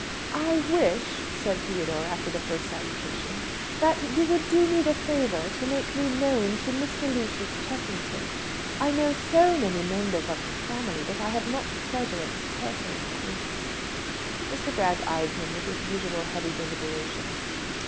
"I wish," said Theodore, after the first salutations, "that you would do me the favour to make me known to Mr. Lucius Cheffington. I know so many members of his family, but I have not the pleasure of his personal acquaintance." Mr. Bragg eyed him with his usual heavy deliberation.